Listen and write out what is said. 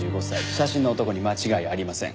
写真の男に間違いありません。